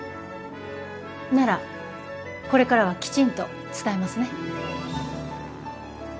ならこれからはきちんと伝えますね